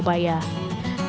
jembalan juga menarik